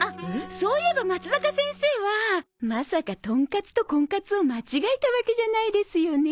そういえばまつざか先生はまさかトンカツとコンカツを間違えたわけじゃないですよね？